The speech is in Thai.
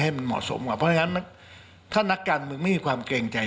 ให้มันเหมาะสมกว่าเพราะฉะนั้นถ้านักการเมืองไม่มีความเกรงใจ